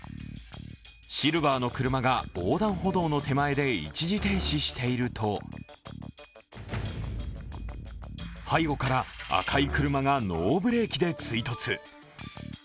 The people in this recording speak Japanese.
シルバーの車が横断歩道の手前で一時停止していると背後から赤い車がノーブレーキで追突。